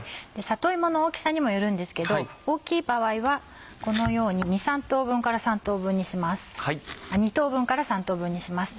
里芋の大きさにもよるんですけど大きい場合はこのように２等分から３等分にします。